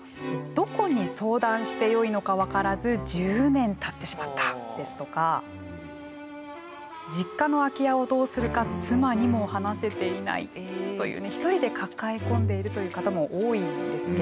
「どこに相談してよいのか分からず１０年たってしまった」ですとか「実家の空き家をどうするか妻にも話せていない」というね一人で抱え込んでいるという方も多いんですけれども。